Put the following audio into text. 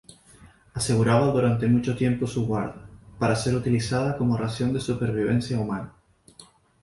Aseguraba durante mucho tiempo su guarda, para ser utilizada como ración de supervivencia humana.